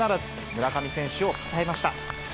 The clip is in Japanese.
村上選手をたたえました。